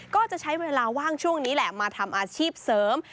ก็จะใช้เวลาว่างช่วงนี้แหละมาทำอาชีพเสริม